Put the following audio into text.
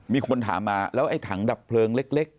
มีคนถามมาแล้วไอ้ถังดับเพลิงเล็ก